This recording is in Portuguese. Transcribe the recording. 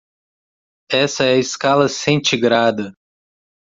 Essa é a escala centigrada.